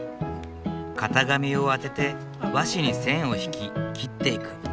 型紙を当てて和紙に線を引き切っていく。